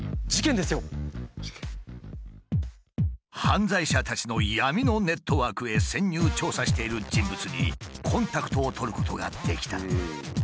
犯罪者たちの闇のネットワークへ潜入調査している人物にコンタクトを取ることができた。